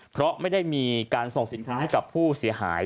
เพราะไม่ได้มีการส่งสินค้าให้กับผู้เสียหาย